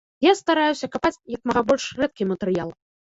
Я стараюся капаць як мага больш рэдкі матэрыял.